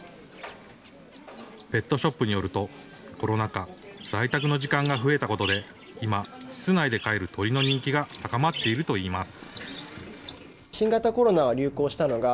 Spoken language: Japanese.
ペットショップによると、コロナ禍、在宅の時間が増えたことで、今、室内で飼える鳥の人気が高まっているといいます。